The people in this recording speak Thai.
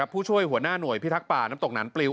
ผู้ช่วยหัวหน้าหน่วยพิทักษ์ป่าน้ำตกหนังปลิว